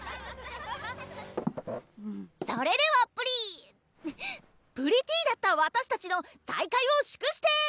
それではプリプリティーだった私たちの再会を祝して！